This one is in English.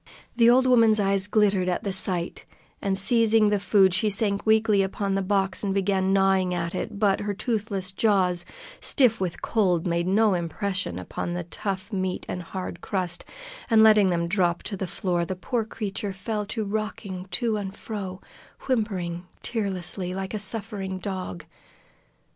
The old woman's eyes glittered at the sight, and, seizing the food, she sank weakly upon the box and began gnawing at it; but her toothless jaws, stiff with cold, made no impression upon the tough meat and hard crust, and letting them drop to the floor, the poor creature fell to rocking to and fro, whimpering tearlessly, like a suffering dog.